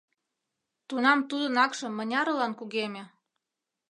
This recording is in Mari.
Тунам тудын акше мынярылан кугеме!